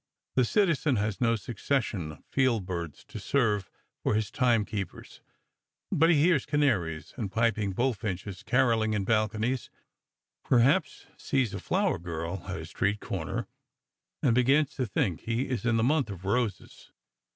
The citizen has no succession of field birds to serve for his time keepers, but he hears canaries and piping bullfinches carolling in balconies, perhaps sees a flower girl at a street corner, and begins to think he is in the month of roses.